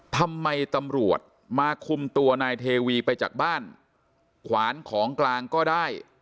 ทำไมตำรวจมาคุมตัวนายเทวีไปจากบ้านขวานของกลางก็ได้